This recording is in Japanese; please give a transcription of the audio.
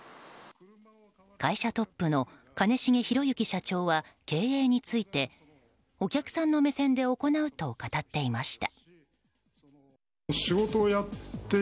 会社トップの兼重宏行社長は経営についてお客さんの目線で行うと語っていました。